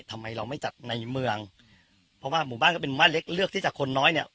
ทำไมเราไม่จัดในเมืองเพราะว่าหมู่บ้านก็เป็นบ้านเล็กเลือกที่จะคนน้อยเนี่ย